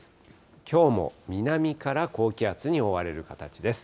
きょうも南から高気圧に覆われる形です。